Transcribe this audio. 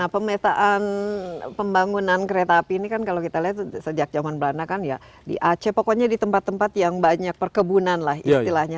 pemetaan pembangunan kereta api ini kan kalau kita lihat sejak zaman belanda kan ya di aceh pokoknya di tempat tempat yang banyak perkebunan lah istilahnya